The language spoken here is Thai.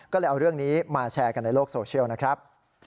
ก็เลยเอาเรื่องนี้มาแชร์กันในโลกโซเชียลนะครับ